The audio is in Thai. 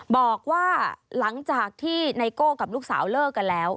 บอกว่าหลังจากที่ไนโก้กับลูกสาวเลิกกันแล้ว